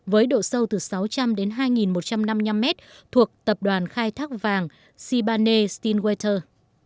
với độ sâu từ sáu trăm linh đến hai một trăm năm mươi năm mét thuộc tập đoàn khai thác vàng sibane stynwater